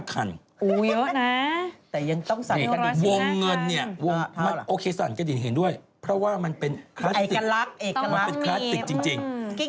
แต่ยังต้องสั่งกระดิ่นหน้าคันโอเคสั่งกระดิ่นเห็นด้วยเพราะว่ามันเป็นคราสติกมันเป็นคราสติกจริง